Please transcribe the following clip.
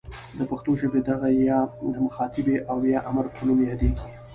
د پښتو ژبې دغه ئ د مخاطبې او یا امریه په نوم یادیږي.